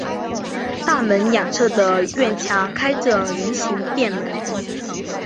大门两侧的院墙开着人行便门。